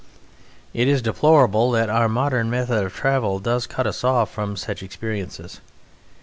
It is deplorable that our modern method of travel does cut us off from such experiences.